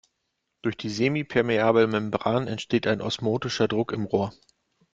Durch die semipermeable Membran entsteht ein osmotischer Druck im Rohr.